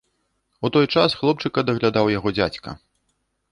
У той час хлопчыка даглядаў яго дзядзька.